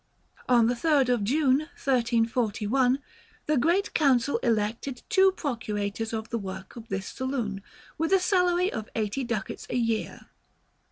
On the 3rd of June, 1341, the Great Council elected two procurators of the work of this saloon, with a salary of eighty ducats a year."